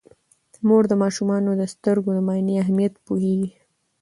مور د ماشومانو د سترګو د معاینې اهمیت پوهیږي.